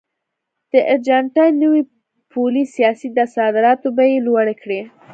د ارجنټاین نوي پولي سیاست د صادراتو بیې لوړې کړې.